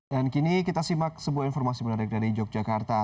dan kini kita simak sebuah informasi menarik dari yogyakarta